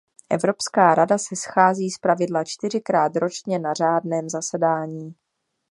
Evropská rada se schází zpravidla čtyřikrát ročně na řádném zasedání.